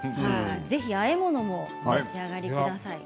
ぜひあえ物もお召し上がりください。